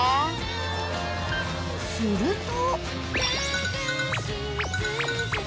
［すると］